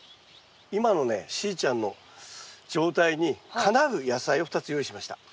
今のねしーちゃんの状態にかなう野菜を２つ用意しました。